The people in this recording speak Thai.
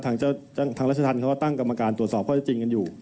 ทางราชทัลเขาก็ตั้งกรรมการตรวจสอบที่ว่าเยอะจริงกันอยู่